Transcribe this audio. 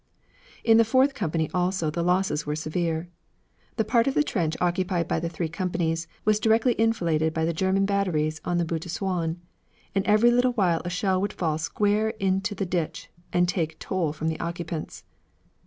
In the fourth company also the losses were severe. The part of the trench occupied by the three companies was directly enfiladed by the German batteries on the Butte de Souain, and every little while a shell would fall square into the ditch and take toll from the occupants.